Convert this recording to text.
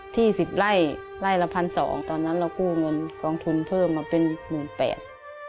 ที่สิบไร่ไล่ไล่ละพันสองตอนนั้นเรากู้เงินกองทุนเพิ่มมาเป็นหมื่นแปด